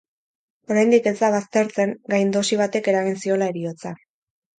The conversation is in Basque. Oraindik ez da baztertzen gaindosi batek eragin ziola heriotza.